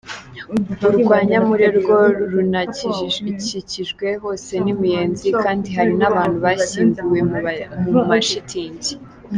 Urwa Nyamure rwo runakikijwe hose n’imiyenzi, kandi hari n’abantu bashyinguwe mu mashitingi.